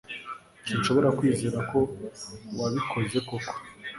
Sinshobora kwizera ko wabikoze koko